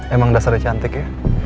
emang dasarnya cantik ya